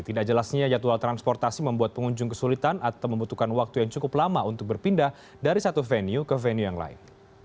tidak jelasnya jadwal transportasi membuat pengunjung kesulitan atau membutuhkan waktu yang cukup lama untuk berpindah dari satu venue ke venue yang lain